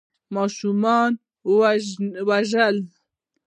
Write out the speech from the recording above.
ماشومانو ژړل.